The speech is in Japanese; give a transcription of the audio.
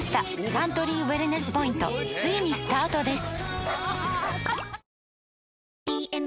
サントリーウエルネスポイントついにスタートです！